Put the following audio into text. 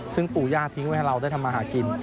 ซึ่งปู่ย่าทิ้งไว้ให้เราได้ทำมาหากิน